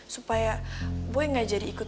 supaya boy nggak jadi ikut